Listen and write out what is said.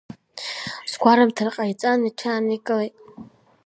Сгәарымҭар ҟаиҵан, иҽааникылт.